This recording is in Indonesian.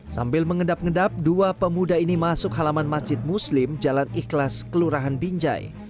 sambil mengedap ngedap dua pemuda ini masuk halaman masjid muslim jalan ikhlas kelurahan binjai